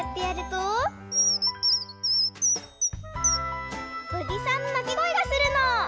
とりさんのなきごえがするの！